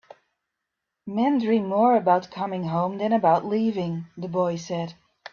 "Men dream more about coming home than about leaving," the boy said.